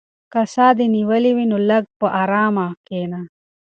که ساه دې نیولې وي نو لږ په ارامه کښېنه.